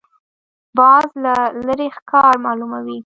باز له لرې ښکار معلوموي